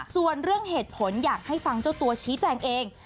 ส่วนเรื่องเหตุผลอยากให้ฟังเจ้าตัวชี้แจงเอง